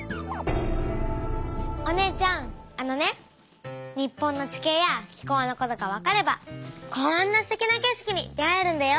お姉ちゃんあのね日本の地形や気候のことがわかればこんなステキな景色に出会えるんだよ。